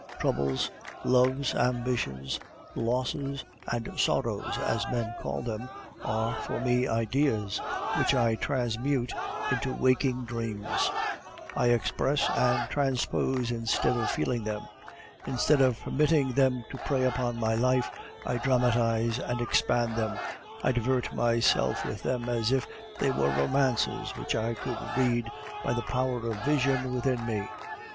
Troubles, loves, ambitions, losses, and sorrows, as men call them, are for me ideas, which I transmute into waking dreams; I express and transpose instead of feeling them; instead of permitting them to prey upon my life, I dramatize and expand them; I divert myself with them as if they were romances which I could read by the power of vision within me.